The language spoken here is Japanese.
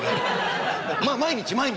毎日毎日。